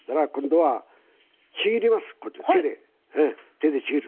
手でちぎる。